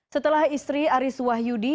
setelah istri aris wahyudi